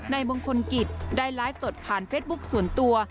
นายมงคลกิจได้ไลฟ์สดผ่านเฟสบุ๊คส่วนตัว